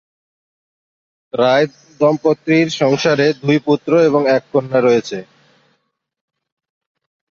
রায় দম্পতির সংসারে দুই পুত্র এবং এক কন্যা রয়েছে।